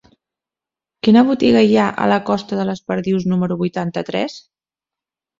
Quina botiga hi ha a la costa de les Perdius número vuitanta-tres?